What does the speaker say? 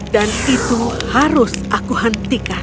dan itu harus aku hentikan